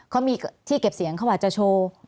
เขามีที่เก็บเสียงเขาอาจจะโชว์